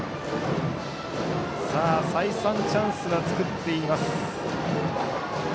再三、チャンスは作っています。